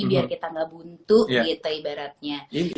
biar kita nggak buntu gitu ibaratnya